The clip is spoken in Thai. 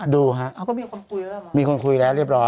ดูฮะมีคนคุยแล้วเรียบร้อย